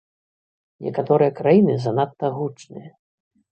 Некаторыя краіны занадта гучныя.